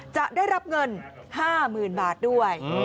จะได้รับเงิน๕๐๐๐๐บาทด้วย